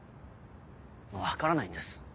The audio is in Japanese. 分からないんです。